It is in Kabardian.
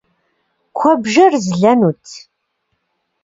Куэбжэр злэнут.